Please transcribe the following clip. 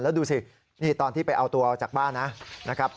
แล้วดูสินี่ตอนที่ไปเอาตัวออกจากบ้านนะครับ